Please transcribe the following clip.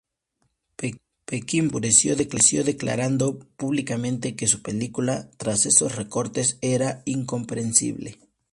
Peckinpah se enfureció, declarando públicamente que su película, tras esos recortes, era incomprensible.